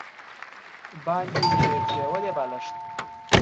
باندې پریولي بالښت